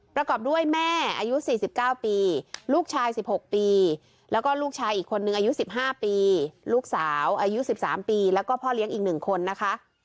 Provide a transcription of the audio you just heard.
ประกอบด้วยแม่อายุ๔๙ปีลูกชาย๑๖ปีแล้วก็ลูกชายอีกคนนึงอายุ๑๕ปีลูกสาวอายุ๑๓ปีแล้วก็พ่อเลี้ยงอีก๑คนนะคะ